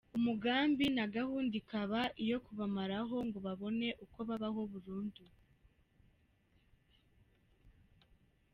Umugambi na gahunda ikaba iyo kubamaraho ngo babone uko babaho burundu.